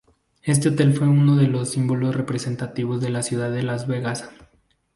Este hotel fue uno de los símbolos representativos de la ciudad de Las Vegas.